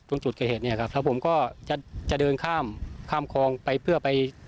ตรงจุดเกิดเหตุเนี่ยครับแล้วผมก็จะจะเดินข้ามข้ามคลองไปเพื่อไป